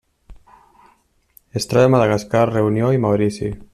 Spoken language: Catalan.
Es troba a Madagascar, Reunió i Maurici.